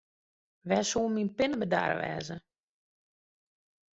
Wêr soe myn pinne bedarre wêze?